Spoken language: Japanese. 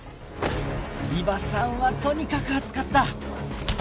伊庭さんはとにかく熱かった！